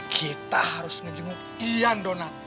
kita harus ngejemur iyan donat